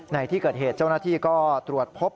ในที่เกิดเหตุเจ้าหน้าที่ก็ตรวจพบ